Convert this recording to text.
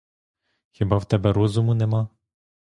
Хіба в тебе розуму нема?